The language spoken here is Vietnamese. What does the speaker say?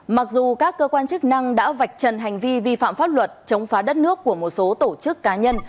mặc dù các cơ quan chức năng đã vạch trần hành vi vi phạm pháp luật chống phá đất nước của một số tổ chức cá nhân